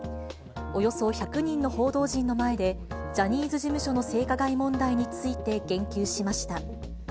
およそ１００人の報道陣の前で、ジャニーズ事務所の性加害問題について言及しました。